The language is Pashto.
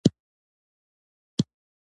کروندګر د حاصل لپاره هره هڅه کوي